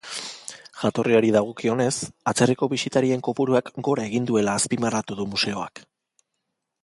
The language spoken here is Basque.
Jatorriari dagokionez, atzerriko bisitarien kopuruak gora egin duela azpimarratu du museoak.